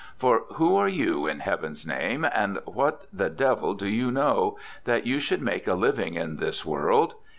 For who are you, in heaven's name, and what the devil do you know, that you should make a living in this world!